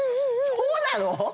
そうなの？